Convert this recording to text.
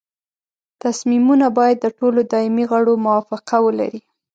تصمیمونه باید د ټولو دایمي غړو موافقه ولري.